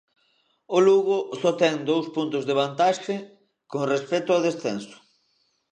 O Lugo só ten dous puntos de vantaxe con respecto ao descenso.